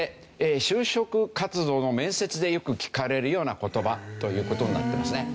就職活動の面接でよく聞かれるような言葉という事になってますね。